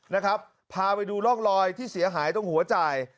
พาไปดูลอกลอยที่เสียหายตรงหัวจ่าย